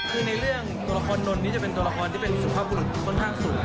คือในเรื่องตัวละครนนท์นี้จะเป็นตัวละครที่เป็นสุภาพบุรุษค่อนข้างสุด